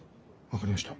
分かりました。